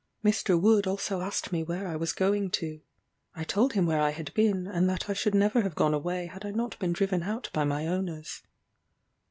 Mr. Wood also asked me where I was going to. I told him where I had been, and that I should never have gone away had I not been driven out by my owners.